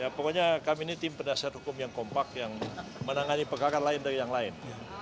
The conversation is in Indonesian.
ya pokoknya kami ini tim pendasar hukum yang kompak yang menangani perkarakan lain dari yang lain